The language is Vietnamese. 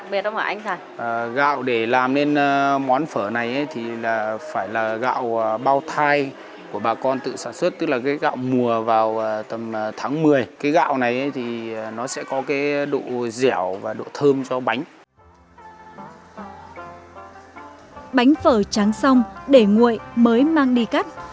bánh phở trắng xong để nguội mới mang đi cắt